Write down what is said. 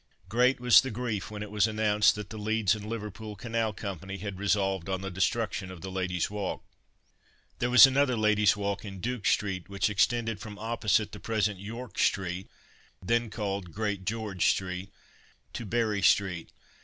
Great was the grief when it was announced that the Leeds and Liverpool Canal Company had resolved on the destruction of the Ladies Walk. There was another Ladies Walk in Duke street, which extended from opposite the present York street (then called Great George street) to Berry street.